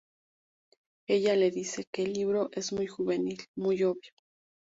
Ella le dice que el libro es muy juvenil, muy obvio.